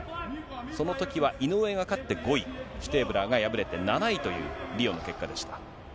そのときは、井上が勝って５位、シュテーブラーが敗れて７位というリオの結果でした。